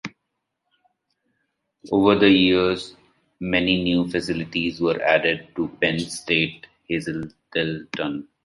Over the years, many new facilities were added to Penn State Hazleton.